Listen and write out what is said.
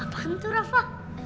apaan tuh rafa